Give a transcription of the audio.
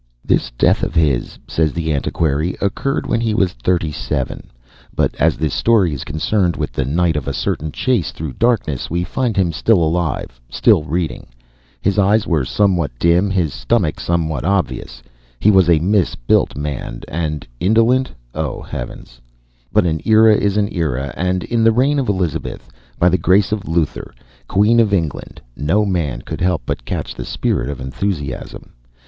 This death of his, says the antiquary, occurred when he was thirty seven, but as this story is concerned with the night of a certain chase through darkness, we find him still alive, still reading. His eyes were somewhat dim, his stomach somewhat obvious he was a mis built man and indolent oh, Heavens! But an era is an era, and in the reign of Elizabeth, by the grace of Luther, Queen of England, no man could help but catch the spirit of enthusiasm.